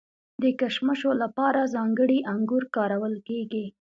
د کشمشو لپاره ځانګړي انګور کارول کیږي.